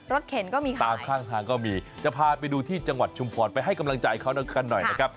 เข็นก็มีค่ะตามข้างทางก็มีจะพาไปดูที่จังหวัดชุมพรไปให้กำลังใจเขากันหน่อยนะครับ